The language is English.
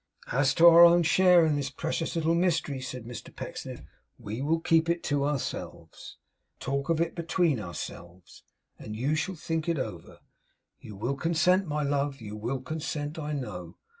'As to our own share in the precious little mystery,' said Mr Pecksniff, 'we will keep it to ourselves, and talk of it between ourselves, and you shall think it over. You will consent, my love; you will consent, I know.